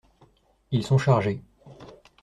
Ils sont chargés.